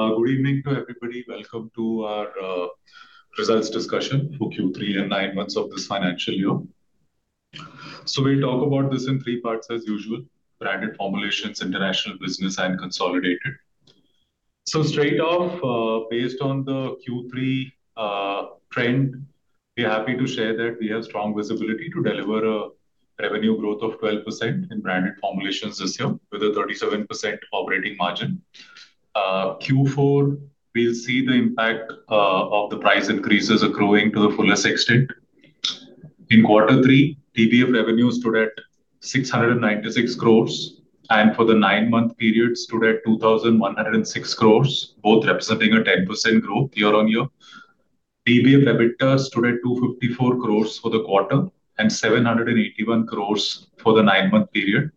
Good evening to everybody. Welcome to our results discussion for Q3 and nine months of this financial year. So we'll talk about this in three parts as usual: Branded Formulations, International Business and Consolidated. So straight off, based on the Q3 trend, we are happy to share that we have strong visibility to deliver a revenue growth of 12% in Branded Formulations this year, with a 37% operating margin. Q4, we'll see the impact of the price increases accruing to the fullest extent. In quarter three, DBF revenue stood at 696 crores, and for the nine-month period stood at 2,106 crores, both representing a 10% growth year-on-year. DBF EBITDA stood at 254 crores for the quarter and 781 crores for the nine-month period,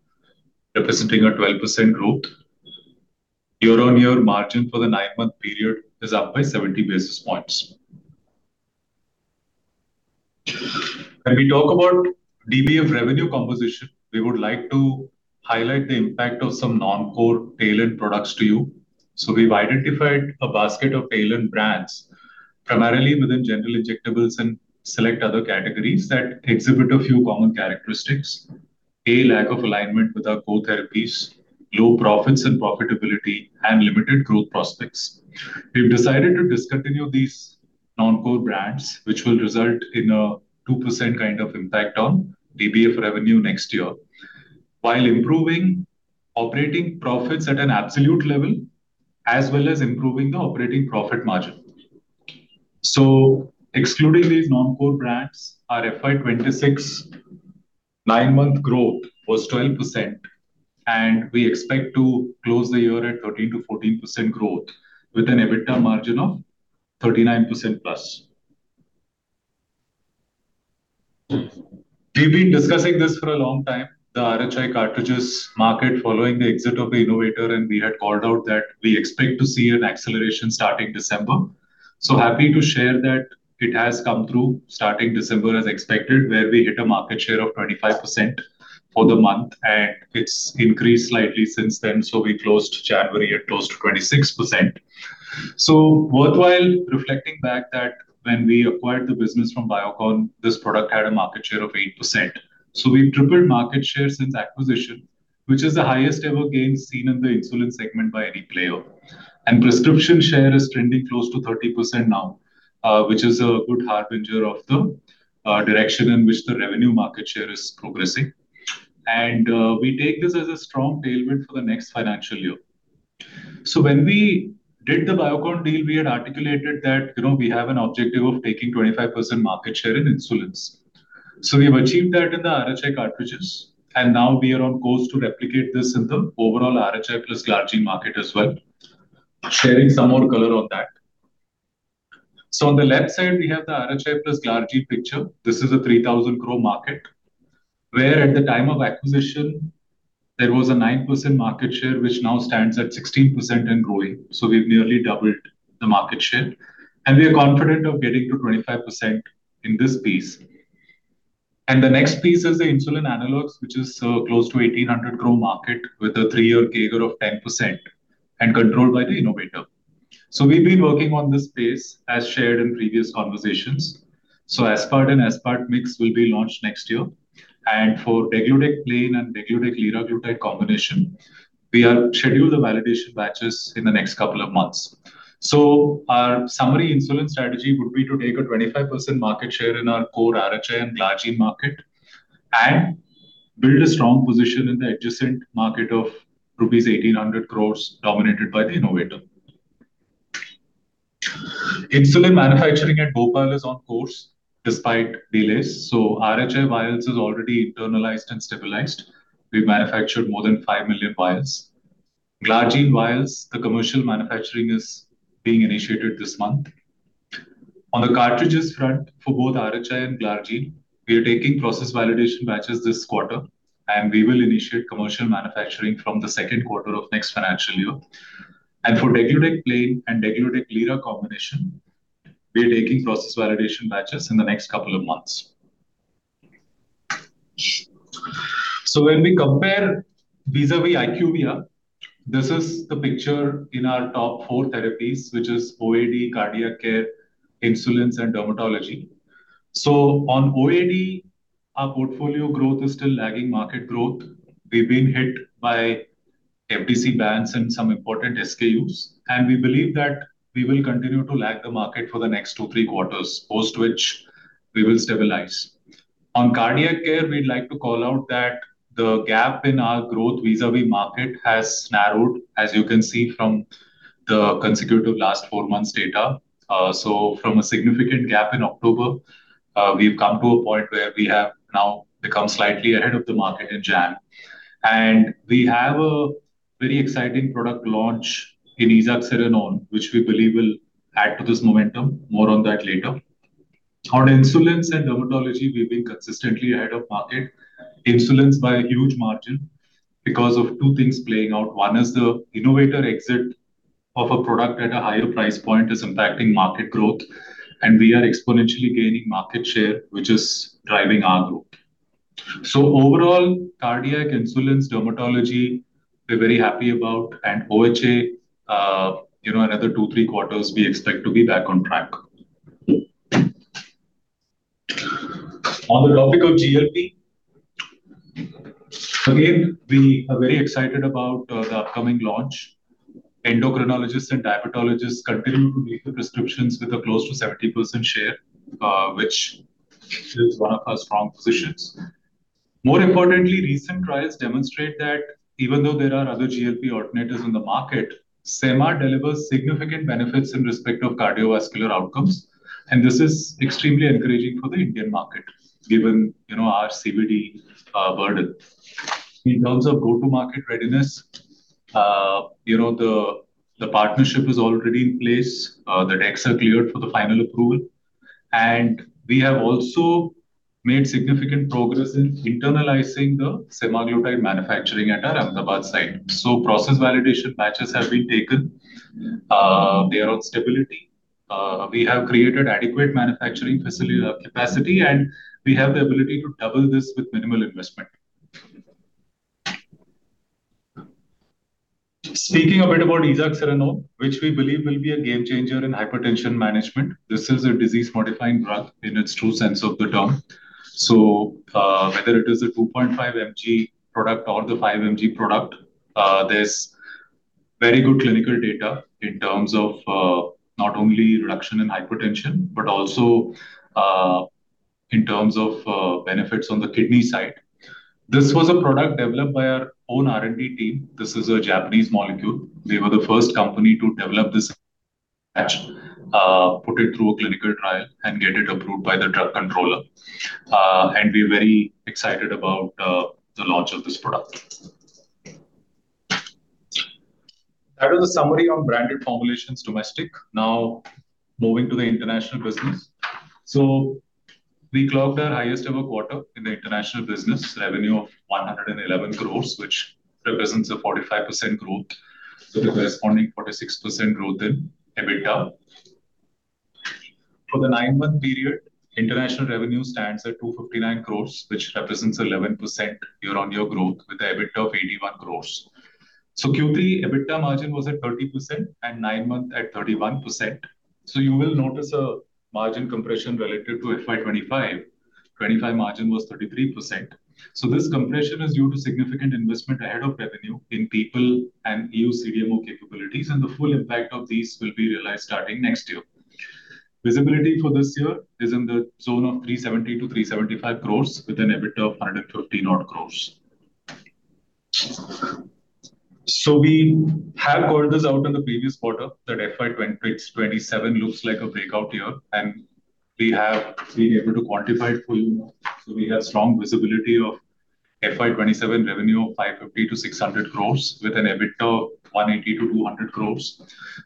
representing a 12% growth. Year-on-year margin for the nine-month period is up by 70 basis points. When we talk about DBF revenue composition, we would like to highlight the impact of some non-core tail-end products to you. So we've identified a basket of tail-end brands, primarily within general injectables and select other categories that exhibit a few common characteristics: a lack of alignment with our core therapies, low profits and profitability, and limited growth prospects. We've decided to discontinue these non-core brands, which will result in a 2% kind of impact on DBF revenue next year, while improving operating profits at an absolute level, as well as improving the operating profit margin. So excluding these non-core brands, our FY 2026 nine-month growth was 12%, and we expect to close the year at 13%-14% growth with an EBITDA margin of 39% plus. We've been discussing this for a long time, the RHI cartridges market, following the exit of the innovator, and we had called out that we expect to see an acceleration starting December. So happy to share that it has come through, starting December as expected, where we hit a market share of 25% for the month, and it's increased slightly since then, so we closed January at close to 26%. So worthwhile reflecting back that when we acquired the business from Biocon, this product had a market share of 8%. So we've tripled market share since acquisition, which is the highest-ever gain seen in the insulin segment by any player. And prescription share is trending close to 30% now, which is a good harbinger of the, direction in which the revenue market share is progressing. We take this as a strong tailwind for the next financial year. So when we did the Biocon deal, we had articulated that, you know, we have an objective of taking 25% market share in insulins. So we've achieved that in the RHI cartridges, and now we are on course to replicate this in the overall RHI plus glargine market as well. Sharing some more color on that. So on the left side, we have the RHI plus glargine picture. This is an 3,000 crore market, where at the time of acquisition, there was a 9% market share, which now stands at 16% and growing. So we've nearly doubled the market share, and we are confident of getting to 25% in this piece. The next piece is the insulin analogs, which is close to 1,800 crore market with a 3-year CAGR of 10% and controlled by the innovator. So we've been working on this space, as shared in previous conversations. So aspart and aspart mix will be launched next year, and for degludec plain and degludec liraglutide combination, we are schedule the validation batches in the next couple of months. So our summary insulin strategy would be to take a 25% market share in our core RHI and glargine market and build a strong position in the adjacent market of rupees 1,800 crores, dominated by the innovator. Insulin manufacturing at Bhopal is on course despite delays, so RHI vials is already internalized and stabilized. We've manufactured more than 5 million vials. glargine vials, the commercial manufacturing is being initiated this month. On the cartridges front, for both RHI and glargine, we are taking process validation batches this quarter, and we will initiate commercial manufacturing from the second quarter of next financial year. And for degludec plain and degludec liraglutide combination, we are taking process validation batches in the next couple of months. So when we compare vis-à-vis IQVIA, this is the picture in our top four therapies, which is OAD, cardiac care, insulins, and dermatology. So on OAD, our portfolio growth is still lagging market growth. We've been hit by FDC bans and some important SKUs, and we believe that we will continue to lag the market for the next two, three quarters, post which we will stabilize. On cardiac care, we'd like to call out that the gap in our growth vis-à-vis market has narrowed, as you can see from the consecutive last four months data. So from a significant gap in October, we've come to a point where we have now become slightly ahead of the market in Jan. And we have a very exciting product launch in esaxerenone, which we believe will add to this momentum. More on that later. On insulins and dermatology, we've been consistently ahead of market. Insulins by a huge margin because of two things playing out. One is the innovator exit of a product at a higher price point is impacting market growth, and we are exponentially gaining market share, which is driving our growth. So overall, cardiac, insulin, dermatology, we're very happy about, and OHA, you know, another two, three quarters, we expect to be back on track. On the topic of GLP, again, we are very excited about the upcoming launch. Endocrinologists and diabetologists continue to make the prescriptions with a close to 70% share, which is one of our strong positions. More importantly, recent trials demonstrate that even though there are other GLP alternatives in the market, sema delivers significant benefits in respect of cardiovascular outcomes, and this is extremely encouraging for the Indian market, given, you know, our CVD burden. In terms of go-to-market readiness, you know, the partnership is already in place, the decks are cleared for the final approval, and we have also made significant progress in internalizing the semaglutide manufacturing at our Ahmedabad site. So process validation batches have been taken, they are on stability. We have created adequate manufacturing facility capacity, and we have the ability to double this with minimal investment. Speaking a bit about esaxerenone, which we believe will be a game changer in hypertension management, this is a disease-modifying drug in its true sense of the term. So, whether it is a 2.5 mg product or the 5 mg product, there's very good clinical data in terms of, not only reduction in hypertension, but also, in terms of, benefits on the kidney side. This was a product developed by our own R&D team. This is a Japanese molecule. They were the first company to develop this, put it through a clinical trial and get it approved by the drug controller. And we're very excited about, the launch of this product. That was a summary on branded formulations domestic. Now, moving to the international business. So we clocked our highest ever quarter in the international business, revenue of 111 crore, which represents a 45% growth, with a corresponding 46% growth in EBITDA. For the nine-month period, international revenue stands at 259 crore, which represents 11% year-on-year growth, with a EBITDA of 81 crore. So Q3, EBITDA margin was at 30% and nine months at 31%. So you will notice a margin compression relative to FY 2025. 2025 margin was 33%. So this compression is due to significant investment ahead of revenue in people and EU CDMO capabilities, and the full impact of these will be realized starting next year. Visibility for this year is in the zone of 370 crore-375 crore, with an EBITDA of 150-odd crore. So we have called this out in the previous quarter, that FY 2027 looks like a breakout year, and we have been able to quantify it for you now. So we have strong visibility of FY 2027 revenue of 550-600 crores, with an EBITDA of 180-200 crores.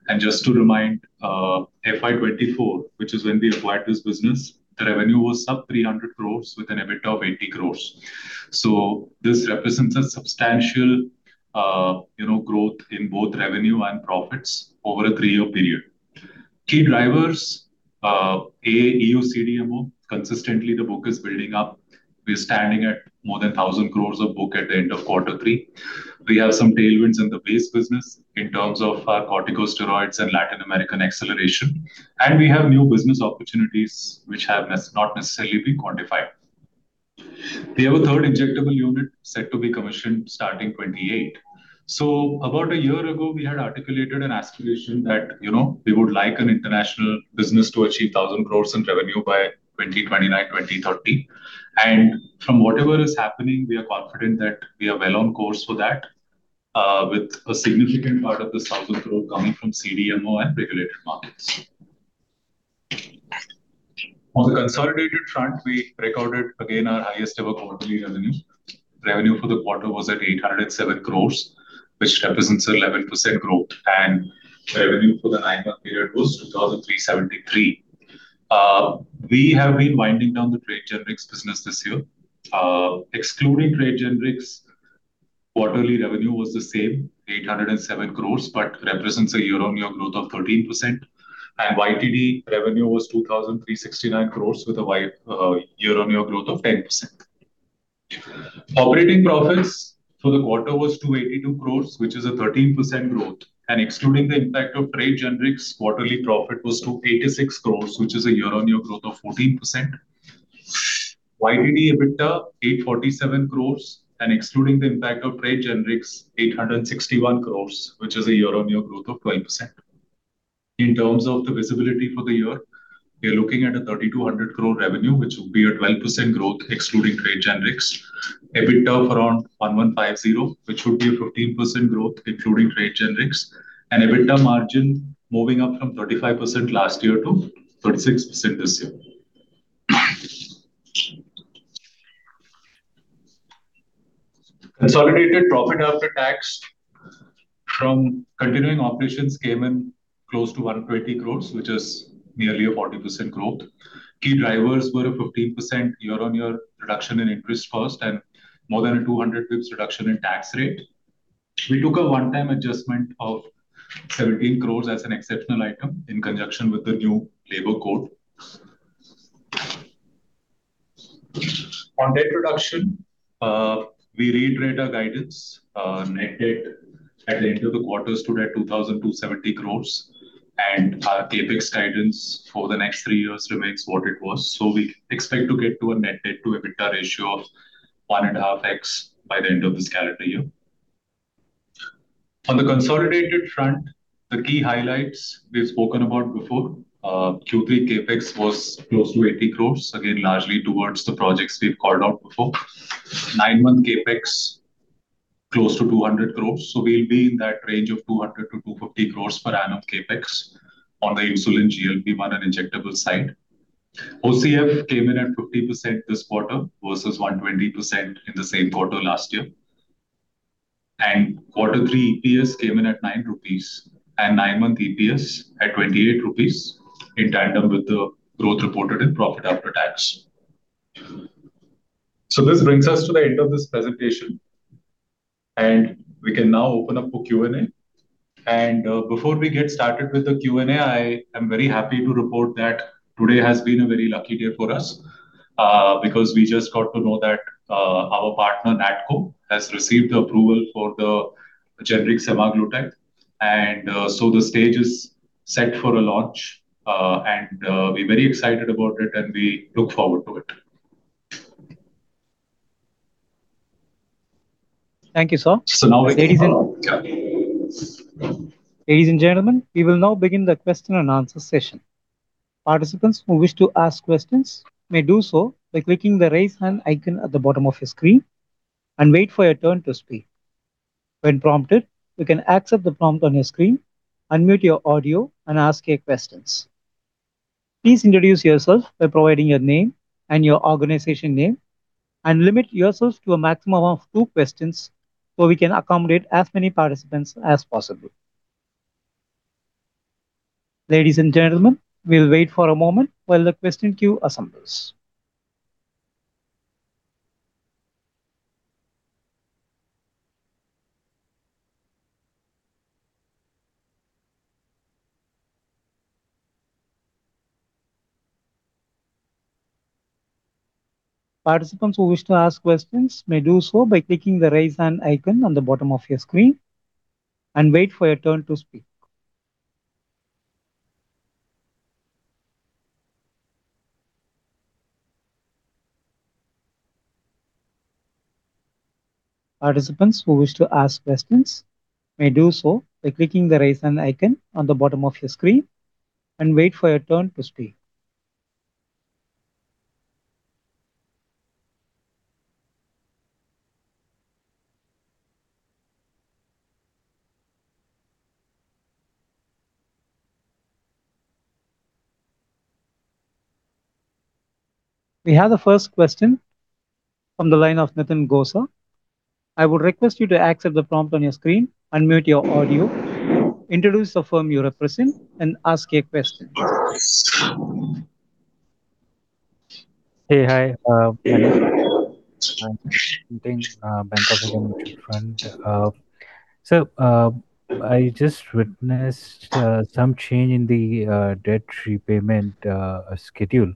And just to remind, FY 2024, which is when we acquired this business, the revenue was sub 300 crores with an EBITDA of 80 crores. So this represents a substantial, you know, growth in both revenue and profits over a three-year period. Key drivers, A, EU CDMO. Consistently, the book is building up. We're standing at more than 1,000 crores of book at the end of quarter three. We have some tailwinds in the base business in terms of our corticosteroids and Latin American acceleration, and we have new business opportunities which have not necessarily been quantified. We have a third injectable unit set to be commissioned starting 2028. So about a year ago, we had articulated an aspiration that, you know, we would like an international business to achieve 1,000 crore in revenue by 2029, 2030. And from whatever is happening, we are confident that we are well on course for that, with a significant part of this thousand crore coming from CDMO and regulated markets. On the consolidated front, we recorded again our highest ever quarterly revenue. Revenue for the quarter was at 807 crore, which represents 11% growth, and revenue for the nine-month period was 2,373 crore. We have been winding down the trade generics business this year. Excluding trade generics, quarterly revenue was 807 crore, but represents a year-on-year growth of 13%. YTD revenue was 2,369 crore, with a year-on-year growth of 10%. Operating profits for the quarter was 282 crore, which is a 13% growth, and excluding the impact of trade generics, quarterly profit was 286 crore, which is a year-on-year growth of 14%. YTD EBITDA, 847 crore, and excluding the impact of trade generics, 861 crore, which is a year-on-year growth of 12%. In terms of the visibility for the year, we are looking at a 3,200 crore revenue, which will be a 12% growth excluding trade generics. EBITDA of around 1,150, which would be a 15% growth including trade generics, and EBITDA margin moving up from 35% last year to 36% this year. Consolidated profit after tax from continuing operations came in close to 120 crore, which is nearly a 40% growth. Key drivers were a 15% year-on-year reduction in interest cost and more than a 200 basis points reduction in tax rate. We took a one-time adjustment of 17 crore as an exceptional item in conjunction with the new labor code. On debt reduction, we reiterate our guidance. Net debt at the end of the quarter stood at 2,270 crore rupees, and our CapEx guidance for the next three years remains what it was. So we expect to get to a net debt to EBITDA ratio of 1.5x by the end of this calendar year. On the consolidated front, the key highlights we've spoken about before, Q3 CapEx was close to 80 crore, again, largely towards the projects we've called out before. Nine-month CapEx, close to 200 crore. So we'll be in that range of 200 crore-250 crore per annum CapEx on the insulin, GLP-1, and injectable side. OCF came in at 50% this quarter, versus 120% in the same quarter last year. And quarter three EPS came in at 9 rupees, and nine-month EPS at 28 rupees, in tandem with the growth reported in profit after tax. So this brings us to the end of this presentation, and we can now open up for Q&A. Before we get started with the Q&A, I am very happy to report that today has been a very lucky day for us, because we just got to know that our partner, Natco, has received the approval for the generic semaglutide. So the stage is set for a launch, and we're very excited about it, and we look forward to it. Thank you, sir. So now we can- Ladies and- Go. Ladies and gentlemen, we will now begin the question and answer session. Participants who wish to ask questions may do so by clicking the raise hand icon at the bottom of your screen and wait for your turn to speak. When prompted, you can accept the prompt on your screen, unmute your audio, and ask your questions. Please introduce yourself by providing your name and your organization name, and limit yourselves to a maximum of two questions, so we can accommodate as many participants as possible. Ladies and gentlemen, we'll wait for a moment while the question queue assembles. Participants who wish to ask questions may do so by clicking the raise hand icon on the bottom of your screen and wait for your turn to speak. Participants who wish to ask questions may do so by clicking the raise hand icon on the bottom of your screen and wait for your turn to speak. We have the first question from the line of Nitin Gosar. I would request you to accept the prompt on your screen, unmute your audio, introduce the firm you represent, and ask a question. Hey. Hi, Bank of India Mutual Fund. So, I just witnessed some change in the debt repayment schedule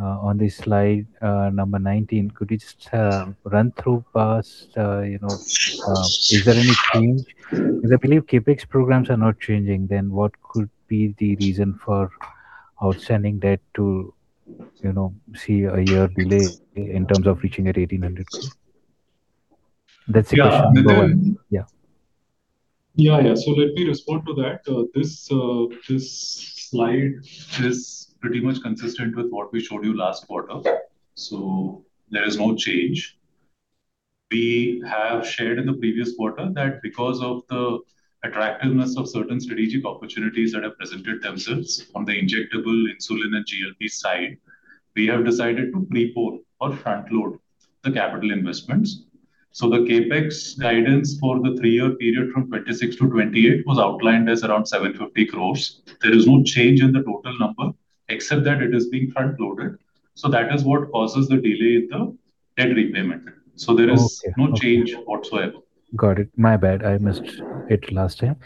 on the slide number 19. Could you just run through us, you know, is there any change? Because I believe CapEx programs are not changing, then what could be the reason for outstanding debt to, you know, see a year delay in terms of reaching at 1,800? That's the question. Yeah. Yeah. Yeah, yeah. So let me respond to that. This slide is pretty much consistent with what we showed you last quarter, so there is no change. We have shared in the previous quarter that because of the attractiveness of certain strategic opportunities that have presented themselves on the injectable insulin and GLP side, we have decided to pre-pour or front-load the capital investments. So the CapEx guidance for the three-year period from 2026 to 2028 was outlined as around 750 crore. There is no change in the total number, except that it is being front-loaded, so that is what causes the delay in the debt repayment. Okay. There is no change whatsoever. Got it. My bad, I missed it last time.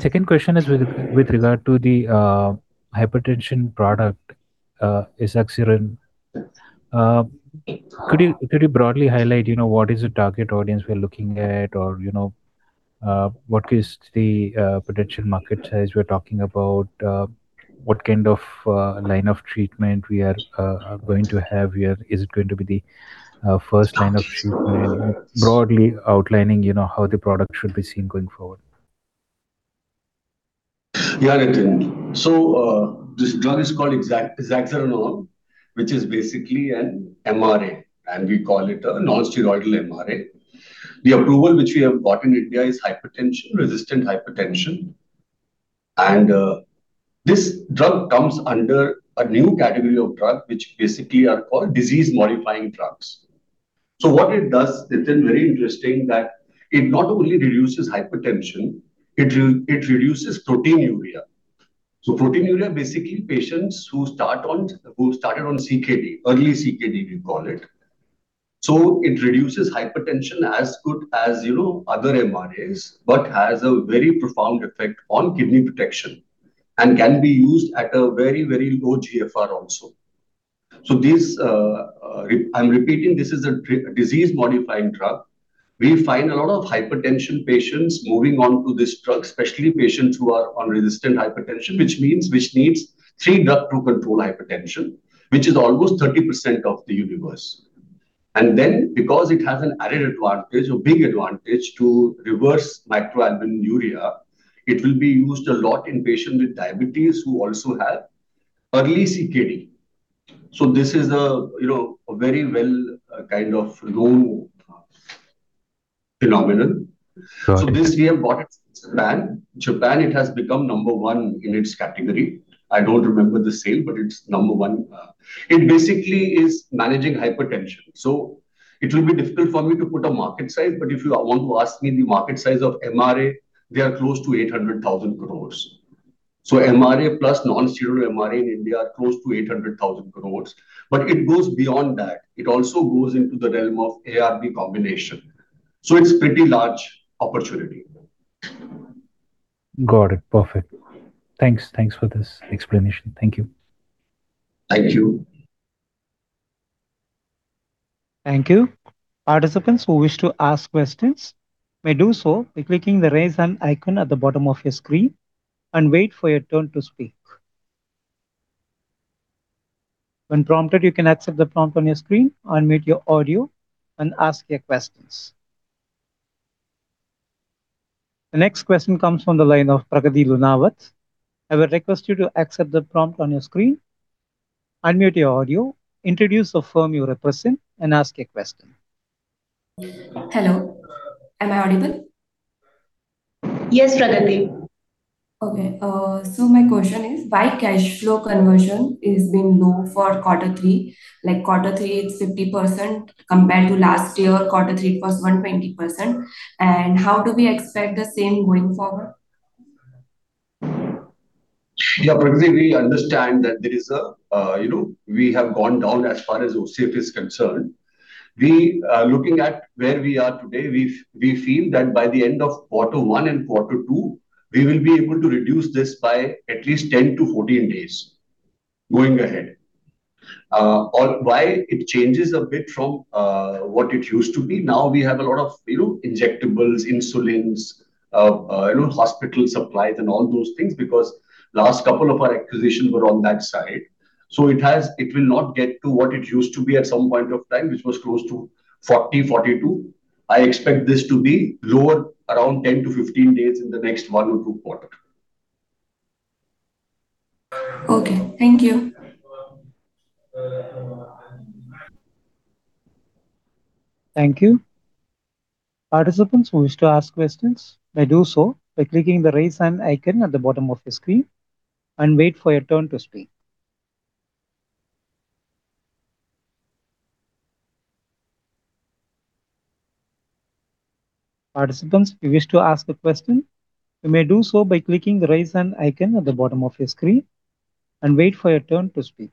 Second question is with regard to the hypertension product, Esaxerenone. Could you broadly highlight, you know, what is the target audience we are looking at? Or, you know, what is the potential market size we are talking about? What kind of line of treatment we are going to have here? Is it going to be the first line of treatment? Broadly outlining, you know, how the product should be seen going forward. Yeah, Nitin. So, this drug is called esaxerenone, which is basically an MRA, and we call it a non-steroidal MRA. The approval which we have got in India is hypertension, resistant hypertension. And, this drug comes under a new category of drug, which basically are called disease-modifying drugs. So what it does, Nitin, very interesting, that it not only reduces hypertension, it reduces proteinuria. So proteinuria, basically, patients who start on, who started on CKD, early CKD, we call it. So it reduces hypertension as good as, you know, other MRAs, but has a very profound effect on kidney protection and can be used at a very, very low GFR also. So this, I'm repeating, this is a disease-modifying drug. We find a lot of hypertension patients moving on to this drug, especially patients who are on resistant hypertension, which means which needs three drugs to control hypertension, which is almost 30% of the universe. And then, because it has an added advantage or big advantage to reverse microalbuminuria, it will be used a lot in patients with diabetes who also have early CKD. So this is a, you know, a very well, kind of known phenomenon. Got it. So this we have got it in Japan. Japan, it has become number one in its category. I don't remember the sale, but it's number one. It basically is managing hypertension, so it will be difficult for me to put a market size, but if you want to ask me the market size of MRA, they are close to 800,000 crore. So MRA plus non-steroidal MRA in India are close to 800,000 crore. But it goes beyond that. It also goes into the realm of ARB combination, so it's pretty large opportunity. Got it. Perfect. Thanks. Thanks for this explanation. Thank you. Thank you. Thank you. Participants who wish to ask questions may do so by clicking the raise hand icon at the bottom of your screen and wait for your turn to speak. When prompted, you can accept the prompt on your screen, unmute your audio and ask your questions. The next question comes from the line of Pragati Lunawat. I would request you to accept the prompt on your screen, unmute your audio, introduce the firm you represent, and ask your question. Hello, am I audible? Yes, Pragati. Okay, so my question is, why cash flow conversion is been low for quarter three? Like, quarter three, it's 50% compared to last year quarter three, it was 120%. And how do we expect the same going forward? Yeah, Pragati, we understand that there is a, you know, we have gone down as far as OCF is concerned. We, looking at where we are today, we feel that by the end of quarter one and quarter two, we will be able to reduce this by at least 10-14 days going ahead. And why it changes a bit from what it used to be, now we have a lot of, you know, injectables, insulins, you know, hospital supplies and all those things, because last couple of our acquisitions were on that side. So it has it will not get to what it used to be at some point of time, which was close to 40, 42. I expect this to be lower, around 10-15 days in the next one or two quarter. Okay. Thank you. Thank you. Participants who wish to ask questions may do so by clicking the raise hand icon at the bottom of your screen and wait for your turn to speak. Participants, if you wish to ask a question, you may do so by clicking the raise hand icon at the bottom of your screen and wait for your turn to speak.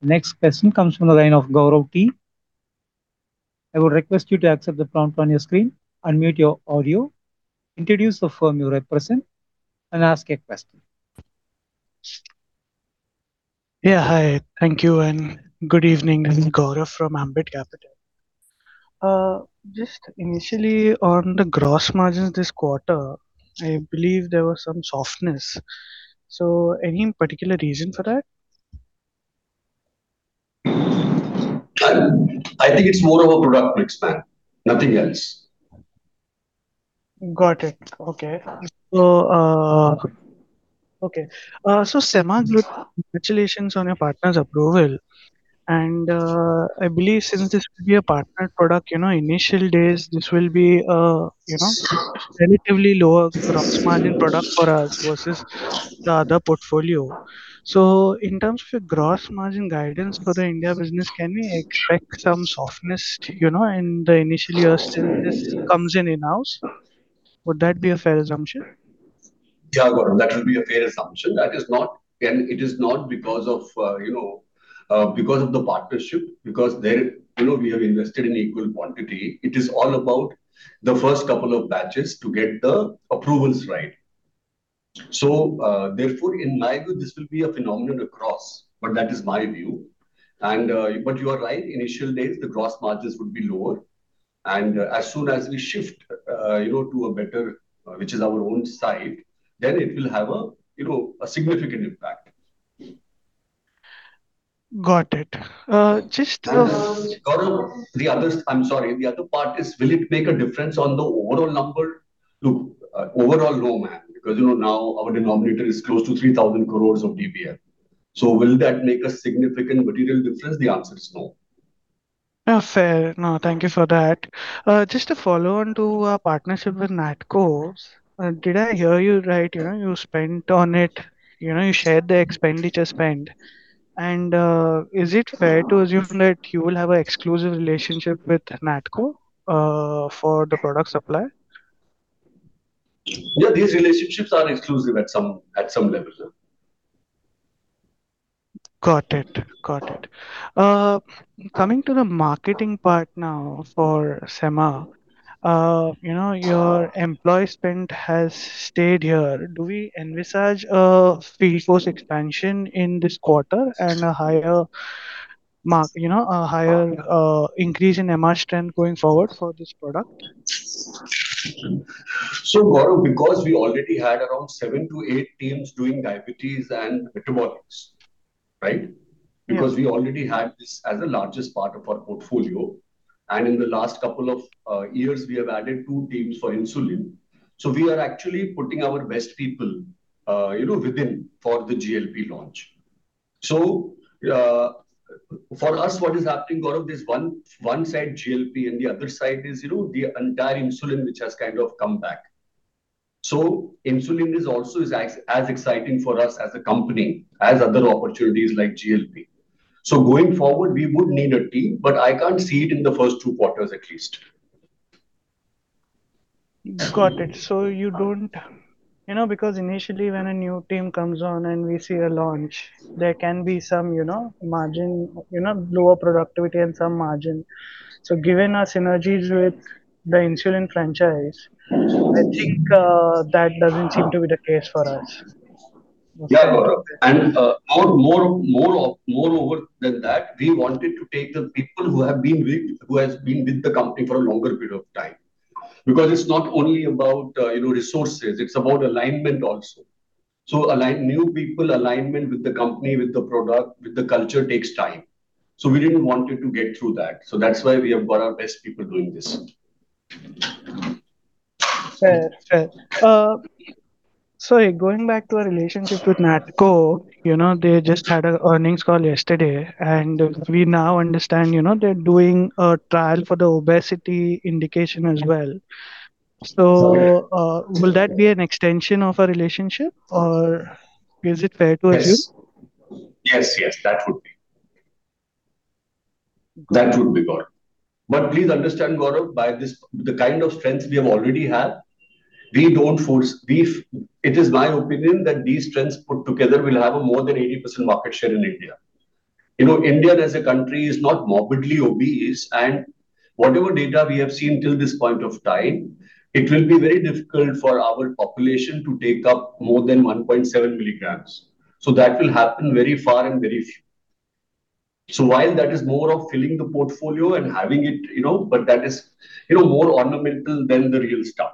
Next question comes from the line of Gaurav T. I would request you to accept the prompt on your screen, unmute your audio, introduce the firm you represent, and ask a question. Yeah, hi. Thank you and good evening. This is Gaurav from Ambit Capital. Just initially, on the gross margins this quarter, I believe there was some softness, so any particular reason for that? I think it's more of a product mix, man, nothing else. Got it. Okay. So, Okay, so Semaglutide, congratulations on your partner's approval, and, I believe since this will be a partner product, you know, initial days, this will be, you know, relatively lower gross margin product for us versus the other portfolio. So in terms of your gross margin guidance for the India business, can we expect some softness, you know, and initially as this comes in, in-house? Would that be a fair assumption? Yeah, Gaurav, that will be a fair assumption. That is not, and it is not because of, you know, because of the partnership, because there, you know, we have invested in equal quantity. It is all about the first couple of batches to get the approvals right. So, therefore, in my view, this will be a phenomenon across, but that is my view. And, but you are right, initial days, the gross margins would be lower, and as soon as we shift, you know, to a better, which is our own side, then it will have a, you know, a significant impact. Got it. Gaurav, I'm sorry. The other part is, will it make a difference on the overall number? Look, overall, no, man, because, you know, now our denominator is close to 3,000 crore of DPR. So will that make a significant material difference? The answer is no. Oh, fair. No, thank you for that. Just a follow-on to our partnership with Natco. Did I hear you right? You know, you spent on it, you know, you shared the expenditure spend. And, is it fair to assume that you will have an exclusive relationship with Natco for the product supply? Yeah, these relationships are exclusive at some level, sir. Got it. Got it. Coming to the marketing part now for SEMA. You know, your employee spend has stayed here. Do we envisage a field force expansion in this quarter and a higher—you know, a higher increase in MR spend going forward for this product? So, Gaurav, because we already had around 7-8 teams doing diabetes and metabolics, right? Yeah. Because we already had this as the largest part of our portfolio, and in the last couple of years, we have added two teams for insulin. So we are actually putting our best people, you know, within for the GLP launch. So, for us, what is happening, Gaurav, is one, one side GLP and the other side is, you know, the entire insulin, which has kind of come back. So insulin is also as exciting for us as a company, as other opportunities like GLP. So going forward, we would need a team, but I can't see it in the first two quarters at least. Got it. So you don't... You know, because initially when a new team comes on and we see a launch, there can be some, you know, margin, you know, lower productivity and some margin. So given our synergies with the insulin franchise, I think that doesn't seem to be the case for us. Yeah, Gaurav. Moreover than that, we wanted to take the people who has been with the company for a longer period of time. Because it's not only about, you know, resources, it's about alignment also. So new people alignment with the company, with the product, with the culture takes time. So we didn't want it to get through that. So that's why we have got our best people doing this. Fair. Fair. Sorry, going back to our relationship with Natco, you know, they just had an earnings call yesterday, and we now understand, you know, they're doing a trial for the obesity indication as well. Okay. So, will that be an extension of our relationship, or is it fair to assume? Yes. Yes, yes, that would be. That would be, Gaurav. But please understand, Gaurav, by this, the kind of strengths we have already have, we don't force—we... It is my opinion that these strengths put together will have a more than 80% market share in India. You know, India as a country is not morbidly obese, and whatever data we have seen till this point of time, it will be very difficult for our population to take up more than 1.7 milligrams. So that will happen very far and very few. So while that is more of filling the portfolio and having it, you know, but that is, you know, more ornamental than the real stuff.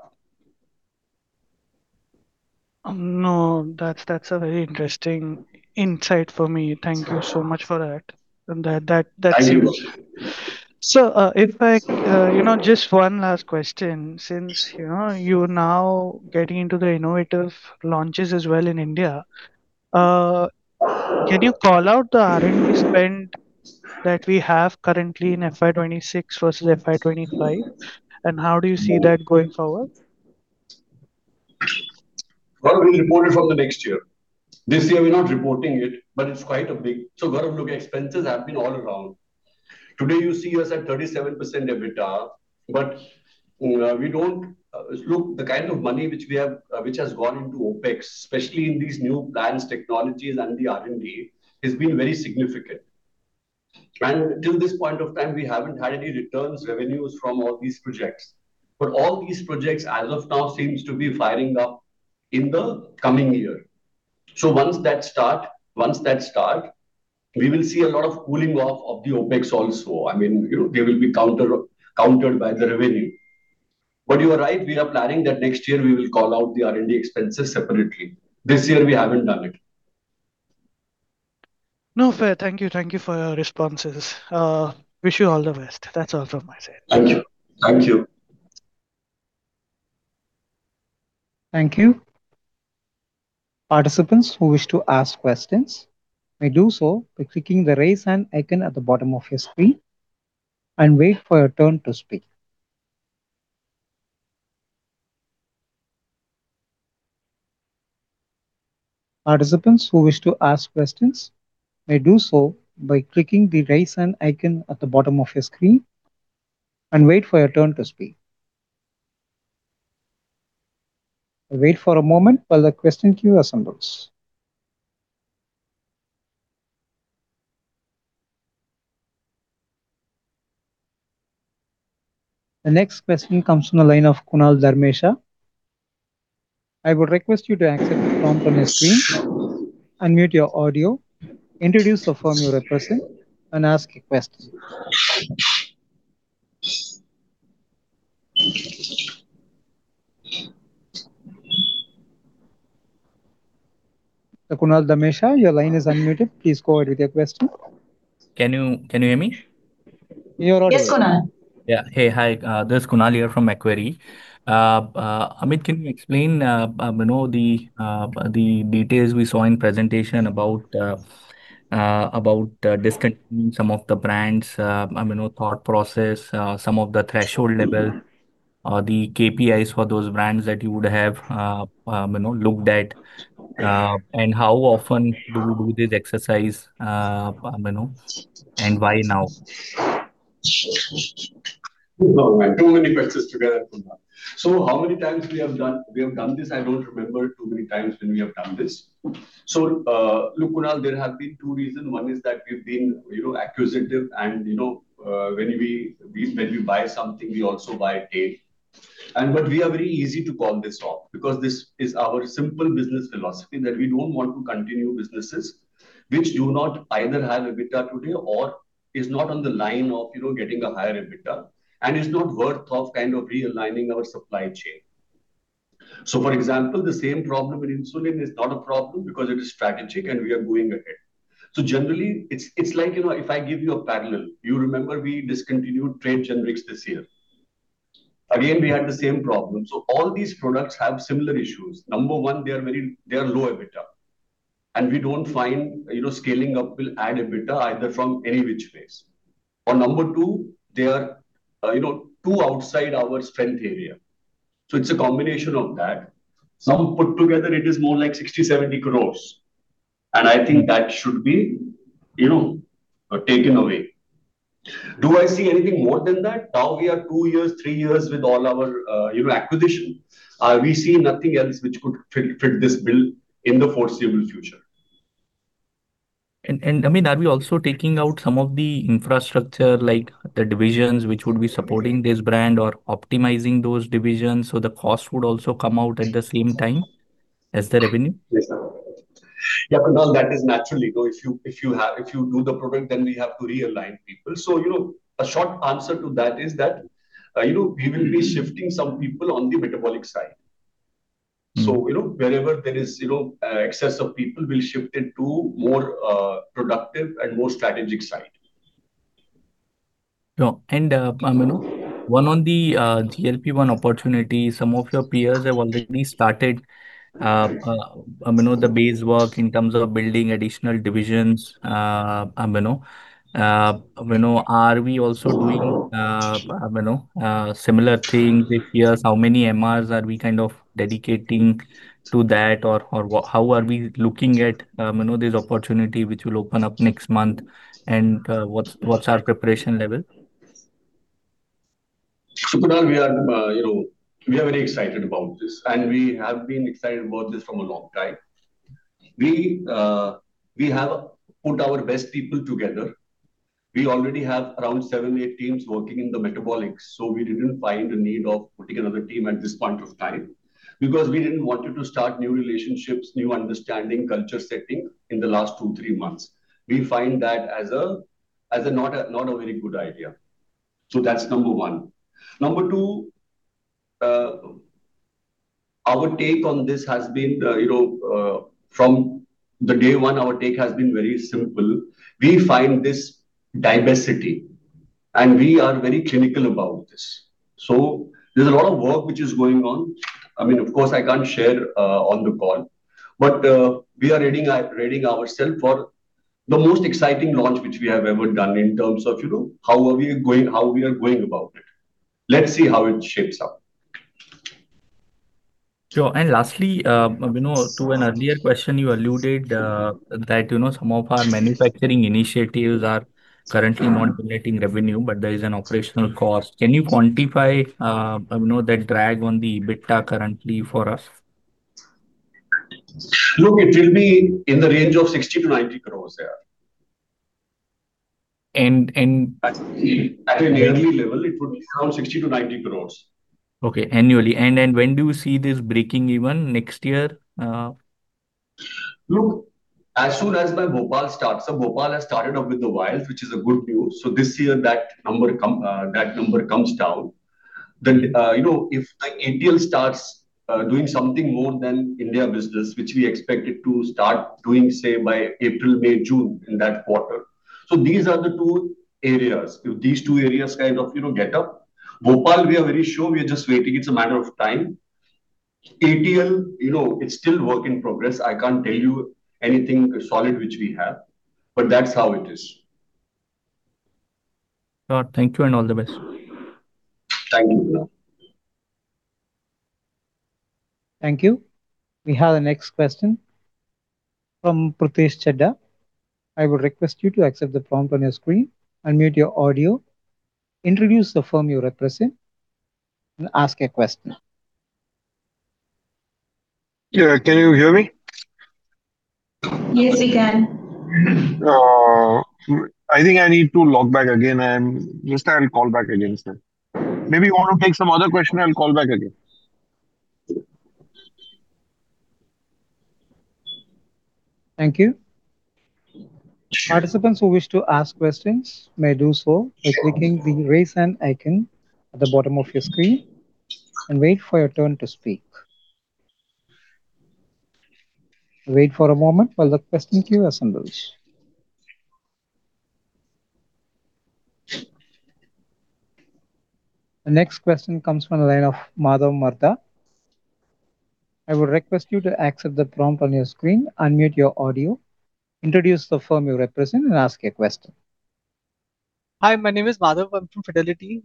No, that's a very interesting insight for me. Thank you so much for that. And that's— Thank you. So, if I, you know, just one last question, since, you know, you're now getting into the innovative launches as well in India, can you call out the R&D spend that we have currently in FY 2026 versus FY 2025, and how do you see that going forward? Gaurav, we'll report it from the next year. This year, we're not reporting it, but it's quite a big... So Gaurav, look, expenses have been all around. Today, you see us at 37% EBITDA, but, we don't... Look, the kind of money which we have, which has gone into OpEx, especially in these new plans, technologies, and the R&D, has been very significant. And till this point of time, we haven't had any returns, revenues from all these projects. But all these projects, as of now, seems to be firing up in the coming year. So once that start, once that start, we will see a lot of cooling off of the OpEx also. I mean, you know, they will be counter, countered by the revenue. But you are right, we are planning that next year we will call out the R&D expenses separately. This year, we haven't done it. No, fair. Thank you. Thank you for your responses. Wish you all the best. That's all from my side. Thank you. Thank you. Thank you. Participants who wish to ask questions may do so by clicking the raise hand icon at the bottom of your screen and wait for your turn to speak. Participants who wish to ask questions may do so by clicking the raise hand icon at the bottom of your screen and wait for your turn to speak. We'll wait for a moment while the question queue assembles. The next question comes from the line of Kunal Dharmesha. I would request you to accept the prompt on your screen, unmute your audio, introduce the firm you represent, and ask a question. Kunal Dharmesha, your line is unmuted. Please go ahead with your question. Can you, can you hear me? You're on air. Yes, Kunal. Yeah. Hey, hi, this is Kunal here from Macquarie. Amit, can you explain, you know, the details we saw in presentation about discontinuing some of the brands? I mean, the thought process, some of the threshold level, the KPIs for those brands that you would have, you know, looked at? And how often do you do this exercise, you know, and why now? Too many questions together, Kunal. So how many times we have done—we have done this? I don't remember too many times when we have done this. So, look, Kunal, there have been two reasons. One is that we've been, you know, acquisitive, and, you know, when we buy something, we also buy a team. And but we are very easy to call this off, because this is our simple business philosophy, that we don't want to continue businesses which do not either have EBITDA today or is not on the line of, you know, getting a higher EBITDA, and is not worth of kind of realigning our supply chain. So, for example, the same problem with insulin is not a problem because it is strategic and we are moving ahead. So generally, it's like, you know, if I give you a parallel. You remember we discontinued trade generics this year. Again, we had the same problem. So all these products have similar issues. Number one, they are low EBITDA, and we don't find, you know, scaling up will add EBITDA either from any which ways. Or number two, they are, you know, too outside our strength area. So it's a combination of that. Some put together, it is more like 60-70 crores, and I think that should be, you know, taken away. Do I see anything more than that? Now we are two years, three years with all our, you know, acquisition. We see nothing else which could fit, fit this bill in the foreseeable future. I mean, are we also taking out some of the infrastructure, like the divisions which would be supporting this brand or optimizing those divisions, so the cost would also come out at the same time as the revenue? Yes, sir. Yeah, Kunal, that is naturally. So if you do the product, then we have to realign people. So, you know, a short answer to that is that, you know, we will be shifting some people on the metabolic side. Mm-hmm. You know, wherever there is, you know, excess of people, we'll shift it to more productive and more strategic side. No. And, I mean, one on the GLP-1 opportunity, some of your peers have already started, you know, the base work in terms of building additional divisions, you know. You know, are we also doing, you know, similar thing with peers? How many MRs are we kind of dedicating to that? Or, what, how are we looking at, you know, this opportunity which will open up next month, and, what's our preparation level? Kunal, we are, you know, we are very excited about this, and we have been excited about this from a long time. We, we have put our best people together. We already have around 7, 8 teams working in the metabolics, so we didn't find a need of putting another team at this point of time, because we didn't want to start new relationships, new understanding, culture setting in the last 2, 3 months. We find that as a, as a not a, not a very good idea. So that's number one. Number two, our take on this has been, you know, from the day one, our take has been very simple. We find this diversity, and we are very clinical about this. So there's a lot of work which is going on. I mean, of course, I can't share on the call, but we are readying our, readying ourself for the most exciting launch which we have ever done in terms of, you know, how are we going, how we are going about it. Let's see how it shapes up. Sure. And lastly, you know, to an earlier question, you alluded that, you know, some of our manufacturing initiatives are currently not generating revenue, but there is an operational cost. Can you quantify, you know, that drag on the EBITDA currently for us? Look, it will be in the range of 60 crore-90 crore, yeah. And, and- At a yearly level, it would be around 60 crore-90 crore. Okay, annually. And when do you see this breaking even? Next year. Look, as soon as my Bhopal starts. So Bhopal has started off with the vials, which is a good news. So this year, that number comes down. Then, you know, if the ATL starts doing something more than India business, which we expect it to start doing, say, by April, May, June, in that quarter. So these are the two areas. If these two areas kind of, you know, get up. Bhopal, we are very sure we are just waiting. It's a matter of time. ATL, you know, it's still work in progress. I can't tell you anything solid which we have, but that's how it is. Thank you, and all the best. Thank you, Kunal. Thank you. We have the next question from Pritesh Chheda. I would request you to accept the prompt on your screen, unmute your audio, introduce the firm you represent, and ask a question. Yeah. Can you hear me? Yes, we can. I think I need to log back again and... Just I'll call back again, sir. Maybe you want to take some other question, I'll call back again. Thank you. Participants who wish to ask questions may do so by clicking the raise hand icon at the bottom of your screen, and wait for your turn to speak. Wait for a moment while the question queue assembles. The next question comes from the line of Madhav Marda. I would request you to accept the prompt on your screen, unmute your audio, introduce the firm you represent, and ask your question. Hi, my name is Madhav. I'm from Fidelity.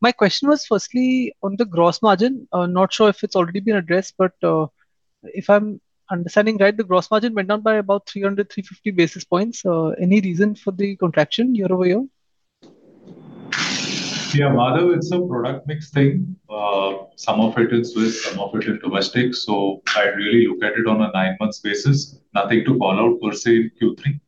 My question was firstly on the gross margin. Not sure if it's already been addressed, but, if I'm understanding right, the gross margin went down by about 300-350 basis points. Any reason for the contraction year-over-year? Yeah, Madhav, it's a product mix thing. Some of it is with, some of it is domestic, so I'd really look at it on a nine-month basis. Nothing to call out per se in Q3.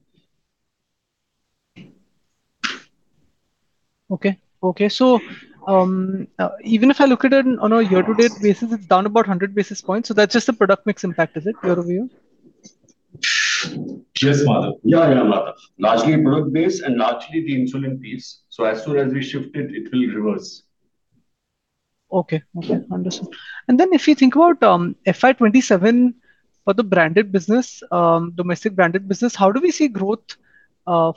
Okay. Okay, so, even if I look at it on a year-to-date basis, it's down about 100 basis points, so that's just a product mix impact, is it, year-over-year? Yes, Madhav. Yeah, yeah, Madhav. Largely product base and largely the insulin piece, so as soon as we shift it, it will reverse. Okay. Okay, understood. And then if you think about FY 2027 for the branded business, domestic branded business, how do we see growth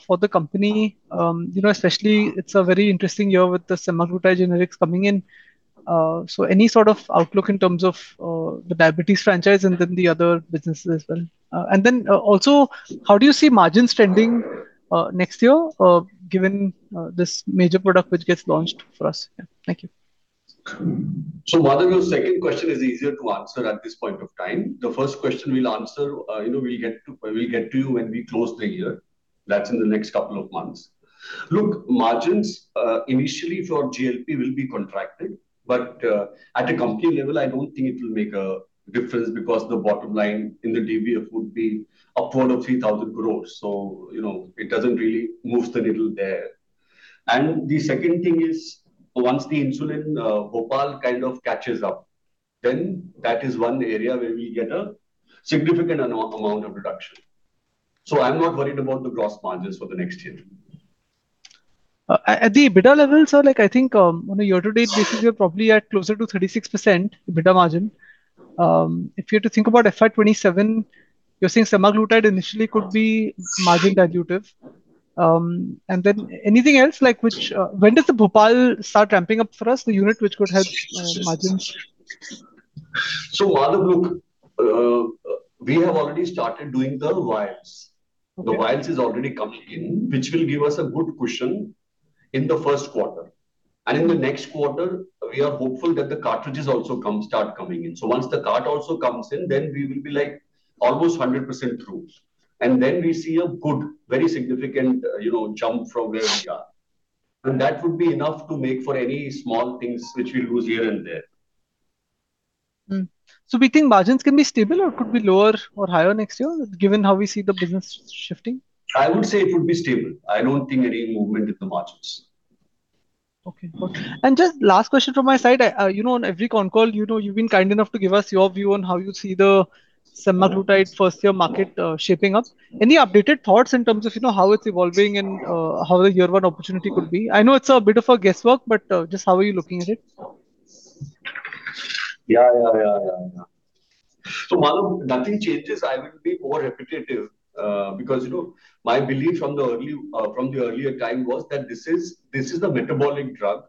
for the company? You know, especially it's a very interesting year with the semaglutide generics coming in. So any sort of outlook in terms of the diabetes franchise and then the other businesses as well? And then also, how do you see margins trending next year given this major product which gets launched for us? Yeah. Thank you. So, Madhav, your second question is easier to answer at this point of time. The first question we'll answer, you know, we'll get to you when we close the year. That's in the next couple of months. Look, margins, initially for GLP will be contracted, but at a company level, I don't think it will make a difference because the bottom line in the DBF would be upward of 3,000 crore. So, you know, it doesn't really move the needle there. And the second thing is, once the insulin Bhopal kind of catches up, then that is one area where we'll get a significant amount of reduction. So I'm not worried about the gross margins for the next year. At the EBITDA levels, sir, like, I think, on a year-to-date basis, we are probably at closer to 36% EBITDA margin. If you were to think about FY 2027, you're saying semaglutide initially could be margin dilutive. And then anything else, like, which, When does the Bhopal start ramping up for us, the unit, which could help, margins? Madhav, look, we have already started doing the vials. Okay. The vials is already coming in, which will give us a good cushion in the first quarter. In the next quarter, we are hopeful that the cartridges also come, start coming in. Once the cart also comes in, then we will be, like, almost 100% through. Then we see a good, very significant, you know, jump from where we are. That would be enough to make for any small things which we lose here and there. So we think margins can be stable or could be lower or higher next year, given how we see the business shifting? I would say it would be stable. I don't think any movement in the margins. Okay. Okay. Just last question from my side. You know, on every concall, you know, you've been kind enough to give us your view on how you see the Semaglutide first-year market shaping up. Any updated thoughts in terms of, you know, how it's evolving and how the year one opportunity could be? I know it's a bit of a guesswork, but just how are you looking at it? Yeah, yeah, yeah, yeah, yeah. So, Madhav, nothing changes. I will be more repetitive because, you know, my belief from the early, from the earlier time was that this is, this is a metabolic drug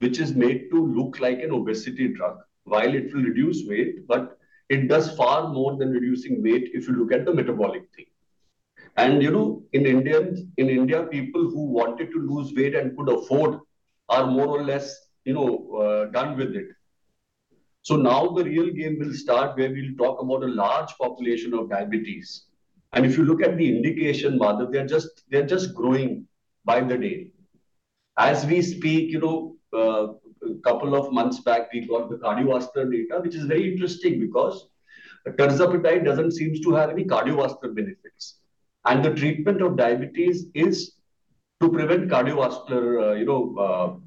which is made to look like an obesity drug. While it will reduce weight, but it does far more than reducing weight if you look at the metabolic thing. And, you know, in Indians - in India, people who wanted to lose weight and could afford are more or less, you know, done with it. So now the real game will start where we'll talk about a large population of diabetes. And if you look at the indication, Madhav, they're just, they're just growing by the day. As we speak, you know, a couple of months back, we got the cardiovascular data, which is very interesting because tirzepatide doesn't seems to have any cardiovascular benefits, and the treatment of diabetes is to prevent cardiovascular, you know,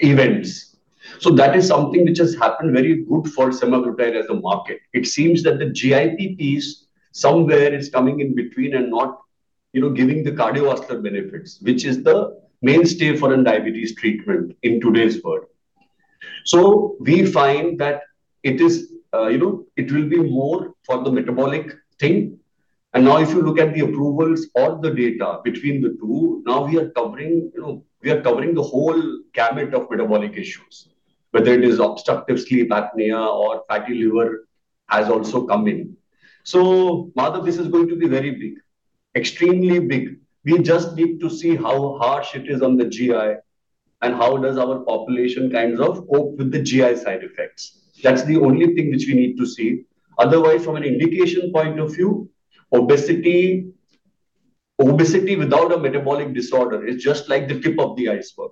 events. So that is something which has happened very good for semaglutide as a market. It seems that the GIP piece somewhere is coming in between and not, you know, giving the cardiovascular benefits, which is the mainstay for a diabetes treatment in today's world. So we find that it is, you know, it will be more for the metabolic thing. And now if you look at the approvals or the data between the two, now we are covering, you know, we are covering the whole gamut of metabolic issues, whether it is obstructive sleep apnea or fatty liver, has also come in. So, Madhav, this is going to be very big, extremely big. We just need to see how harsh it is on the GI, and how does our population kind of cope with the GI side effects. That's the only thing which we need to see. Otherwise, from an indication point of view, obesity, obesity without a metabolic disorder is just like the tip of the iceberg.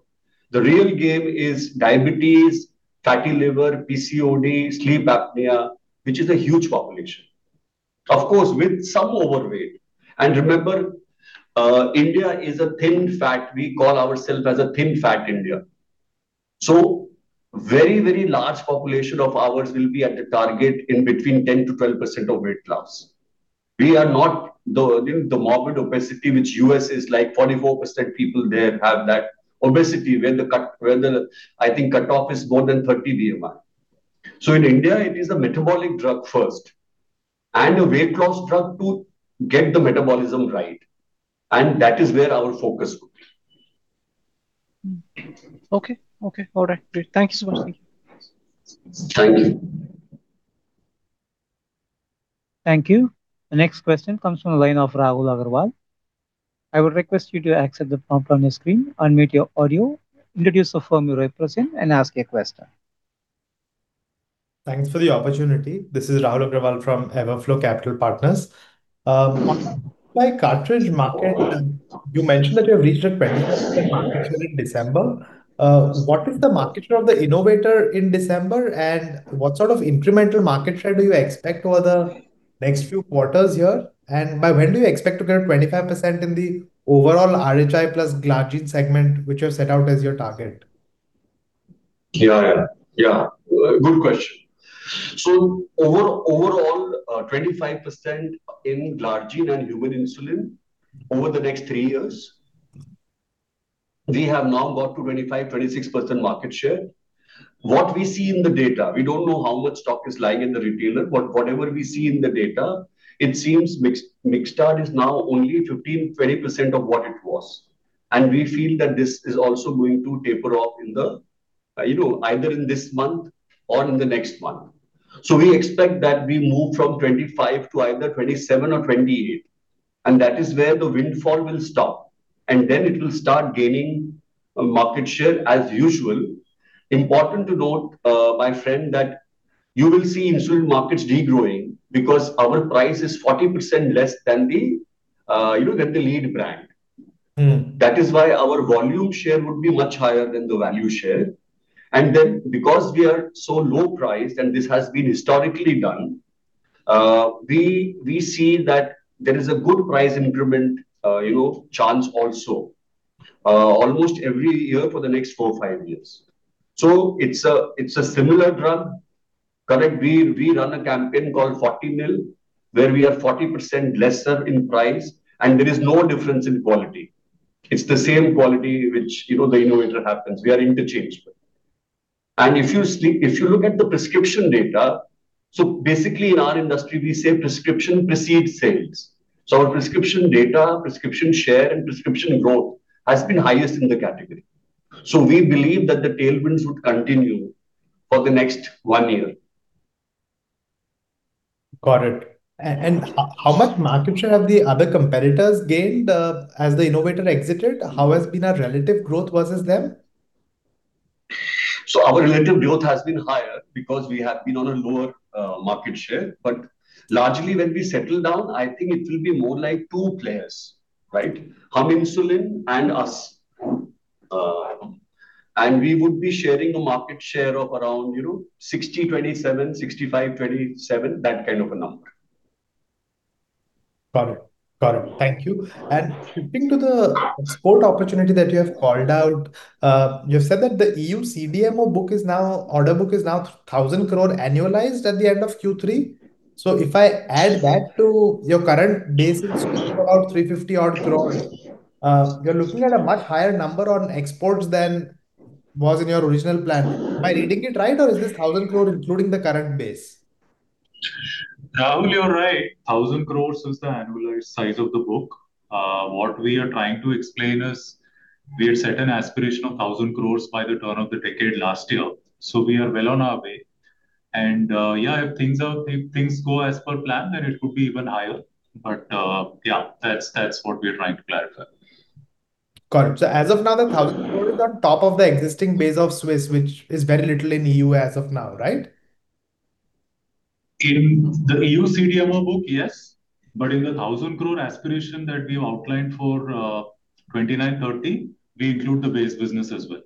The real game is diabetes, fatty liver, PCOD, sleep apnea, which is a huge population. Of course, with some overweight. And remember, India is a thin fat. We call ourselves as a thin fat India. So very, very large population of ours will be at the target in between 10%-12% of weight loss.... We are not the morbid obesity, which the U.S. is, like, 44% people there have that obesity, where the cutoff is more than 30 BMI. So in India, it is a metabolic drug first, and a weight loss drug to get the metabolism right, and that is where our focus would be. Mm-hmm. Okay. Okay. All right, great. Thank you so much. Thank you. Thank you. The next question comes from the line of Rahul Agrawal. I would request you to accept the prompt on your screen, unmute your audio, introduce the firm you're representing, and ask your question. Thanks for the opportunity. This is Rahul Agrawal from Everflow Capital Partners. The cartridge market, you mentioned that you have reached a 20% market share in December. What is the market share of the innovator in December, and what sort of incremental market share do you expect over the next few quarters here? And by when do you expect to get 25% in the overall RHI plus Glargine segment, which you have set out as your target? Yeah, yeah. Yeah, good question. So overall, overall, 25% in Glargine and human insulin over the next three years. We have now got to 25-26% market share. What we see in the data, we don't know how much stock is lying in the retailer, but whatever we see in the data, it seems Mixtard is now only 15-20% of what it was. And we feel that this is also going to taper off in the, you know, either in this month or in the next month. So we expect that we move from 25 to either 27 or 28, and that is where the windfall will stop, and then it will start gaining market share as usual. Important to note, my friend, that you will see insulin markets degrowing because our price is 40% less than the, you know, than the lead brand. Mm. That is why our volume share would be much higher than the value share. And then, because we are so low priced, and this has been historically done, we see that there is a good price increment, you know, chance also, almost every year for the next 4-5 years. So it's a similar drug. Correct. We run a campaign called 40 Mil, where we are 40% lesser in price, and there is no difference in quality. It's the same quality which, you know, the innovator happens. We are interchangeable. And if you see. If you look at the prescription data, so basically in our industry, we say prescription precedes sales. So our prescription data, prescription share, and prescription growth has been highest in the category. So we believe that the tailwinds would continue for the next 1 year. Got it. How much market share have the other competitors gained as the innovator exited? How has been our relative growth versus them? Our relative growth has been higher because we have been on a lower market share. Largely, when we settle down, I think it will be more like two players, right? Humulin and us, and we would be sharing a market share of around, you know, 60/27, 65/27, that kind of a number. Got it. Got it. Thank you. Shifting to the export opportunity that you have called out, you've said that the EU CDMO order book is now 1,000 crore annualized at the end of Q3. So if I add that to your current base, it's about 350 odd crore, you're looking at a much higher number on exports than was in your original plan. Am I reading it right, or is this 1,000 crore including the current base? Rahul, you're right. 1,000 crore is the annualized size of the book. What we are trying to explain is we had set an aspiration of 1,000 crore by the turn of the decade last year, so we are well on our way. And, yeah, if things go as per plan, then it could be even higher. But, yeah, that's, that's what we are trying to clarify. Got it. So as of now, the 1,000 crore is on top of the existing base of Swiss, which is very little in EU as of now, right? In the EU CDMO book, yes. But in the 1,000 crore aspiration that we have outlined for 2029, 2030, we include the base business as well.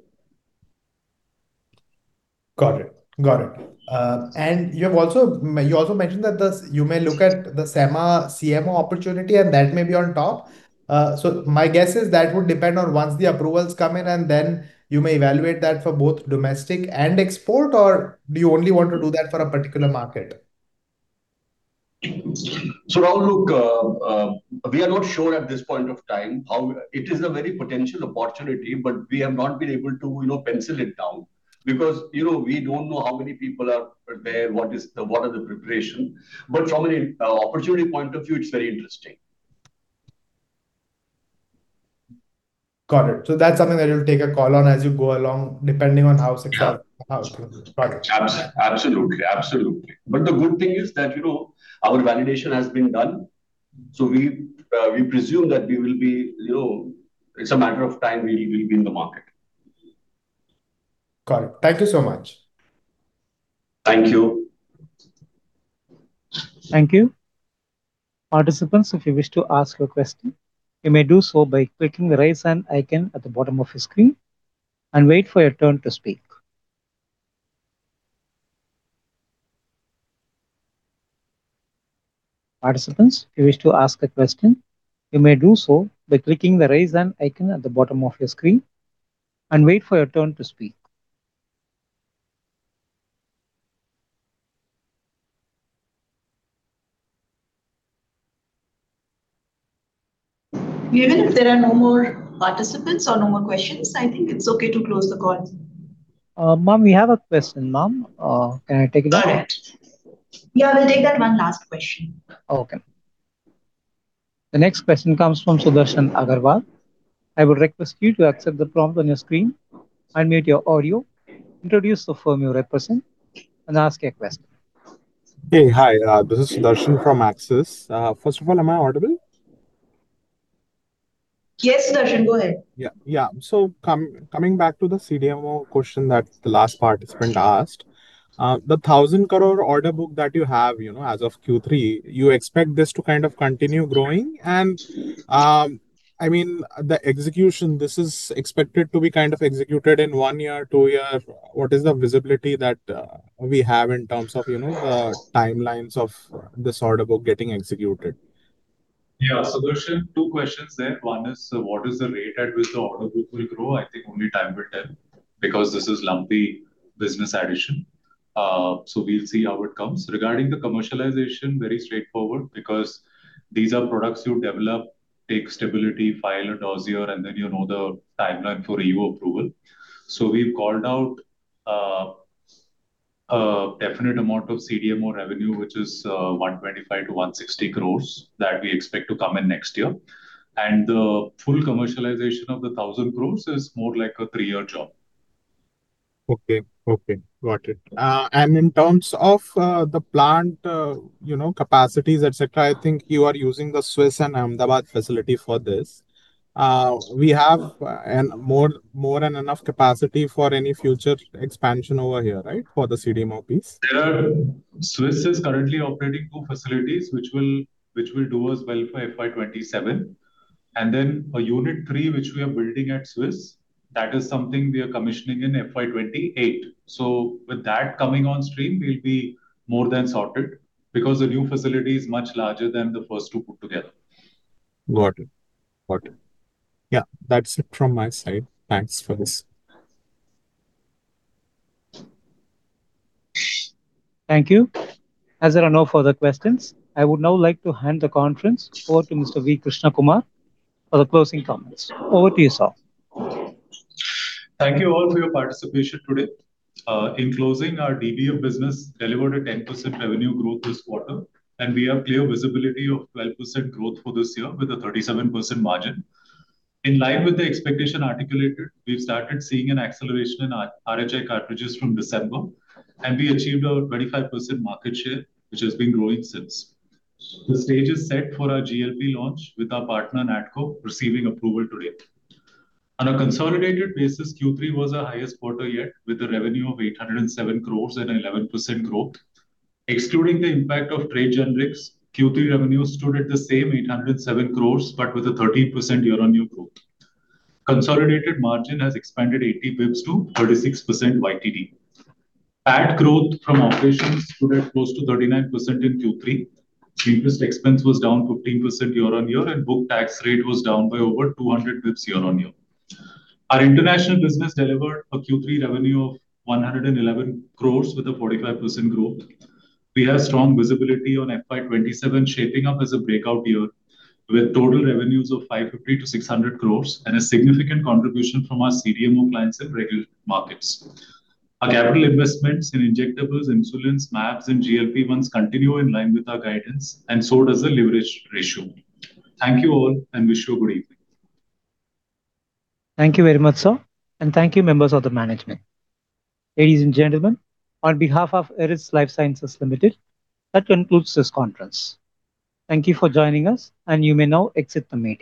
Got it. Got it. You also mentioned that you may look at the SEMA CMO opportunity, and that may be on top. So my guess is that would depend on once the approvals come in, and then you may evaluate that for both domestic and export, or do you only want to do that for a particular market? So Rahul, we are not sure at this point of time how... It is a very potential opportunity, but we have not been able to, you know, pencil it down because, you know, we don't know how many people are there, what is the—what are the preparation. But from an opportunity point of view, it's very interesting. Got it. So that's something that you'll take a call on as you go along, depending on how successful- Yeah. Got it. Absolutely. Absolutely. But the good thing is that, you know, our validation has been done, so we presume that we will be, you know, it's a matter of time we'll be in the market. Got it. Thank you so much. Thank you. Thank you. Participants, if you wish to ask a question, you may do so by clicking the raise hand icon at the bottom of your screen and wait for your turn to speak. Participants, if you wish to ask a question, you may do so by clicking the raise hand icon at the bottom of your screen and wait for your turn to speak. Even if there are no more participants or no more questions, I think it's okay to close the call. Ma'am, we have a question, ma'am. Can I take it now? All right. Yeah, we'll take that one last question. Okay. The next question comes from Sudarshan Agarwal. I would request you to accept the prompt on your screen, unmute your audio, introduce the firm you represent, and ask your question. Hey, hi, this is Sudarshan from Axis. First of all, am I audible? Yes, Sudarshan, go ahead. Yeah, yeah. So coming back to the CDMO question that the last participant asked, the 1,000 crore order book that you have, you know, as of Q3, you expect this to kind of continue growing? And, I mean, the execution, this is expected to be kind of executed in one year, two year. What is the visibility that we have in terms of, you know, the timelines of this order book getting executed? Yeah. Sudarshan, two questions there. One is, what is the rate at which the order book will grow? I think only time will tell, because this is lumpy business addition. So we'll see how it comes. Regarding the commercialization, very straightforward because these are products you develop, take stability, file a dossier, and then you know the timeline for EU approval. So we've called out a definite amount of CDMO revenue, which is 125 crores-160 crores, that we expect to come in next year. And the full commercialization of the 1,000 crores is more like a three-year job. Okay. Okay, got it. And in terms of the plant, you know, capacities, et cetera, I think you are using the Swiss and Ahmedabad facility for this. We have more than enough capacity for any future expansion over here, right? For the CDMO piece. Swiss is currently operating two facilities which will do us well for FY 2027. And then a Unit 3, which we are building at Swiss, that is something we are commissioning in FY 2028. So with that coming on stream, we'll be more than sorted, because the new facility is much larger than the first two put together. Got it. Got it. Yeah, that's it from my side. Thanks for this. Thank you. As there are no further questions, I would now like to hand the conference over to Mr. V. Krishnakumar for the closing comments. Over to you, sir. Thank you all for your participation today. In closing, our DBU business delivered a 10% revenue growth this quarter, and we have clear visibility of 12% growth for this year with a 37% margin. In line with the expectation articulated, we've started seeing an acceleration in our RHI cartridges from December, and we achieved over 25% market share, which has been growing since. The stage is set for our GLP launch, with our partner, Natco, receiving approval today. On a consolidated basis, Q3 was our highest quarter yet, with a revenue of 807 crore and 11% growth. Excluding the impact of trade generics, Q3 revenue stood at the same 807 crore, but with a 13% year-on-year growth. Consolidated margin has expanded 80 basis points to 36% YTD. EBITDA growth from operations stood at close to 39% in Q3. Interest expense was down 15% year-on-year, and book tax rate was down by over 200 bps year-on-year. Our international business delivered a Q3 revenue of 111 crore with 45% growth. We have strong visibility on FY 2027, shaping up as a breakout year, with total revenues of 550 crore-600 crore and a significant contribution from our CDMO clients in regulated markets. Our capital investments in injectables, insulins, mAbs, and GLP-1s continue in line with our guidance, and so does the leverage ratio. Thank you all, and wish you a good evening. Thank you very much, sir, and thank you, members of the management. Ladies and gentlemen, on behalf of Eris Lifesciences Limited, that concludes this conference. Thank you for joining us, and you may now exit the meeting.